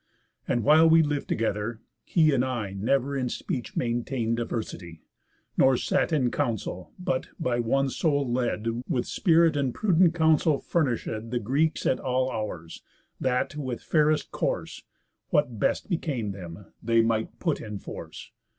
And while we liv'd together, he and I Never in speech maintain'd diversity; Nor sat in council but, by one soul led, With spirit and prudent counsel furnishéd The Greeks at all hours, that, with fairest course, What best became them, they might put in force.